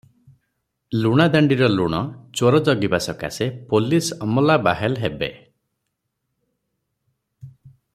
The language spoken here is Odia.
ଲୁଣାଦାଣ୍ଡିର ଲୁଣ ଚୋର ଜଗିବା ସକାଶେ ପୋଲିଶ ଅମଲା ବାହେଲ ହେବେ ।